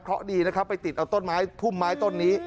เพราะดีนะครับไปติดเอาต้นไม้พุ่มไม้ต้นนี้